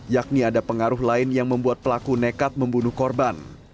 yakni ada pengaruh lain yang membuat pelaku nekat membunuh korban